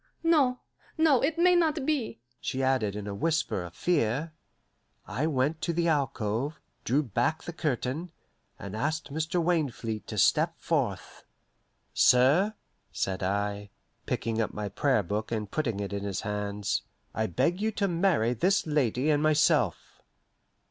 "No, no, it may not be," she added in a whisper of fear. I went to the alcove, drew back the curtain, and asked Mr. Wainfleet to step forth. "Sir," said I, picking up my Prayer Book and putting it in his hands, "I beg you to marry this lady and myself."